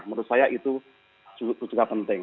menurut saya itu juga penting